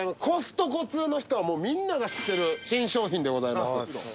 コストコ通の人はみんなが知ってる新商品でございます。